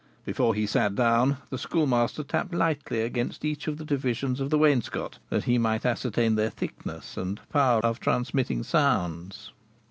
Before he sat down, the Schoolmaster tapped lightly against each of the divisions of the wainscot, that he might ascertain their thickness and power of transmitting sounds.